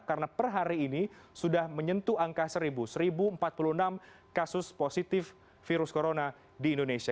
karena per hari ini sudah menyentuh angka seribu seribu empat puluh enam kasus positif virus corona di indonesia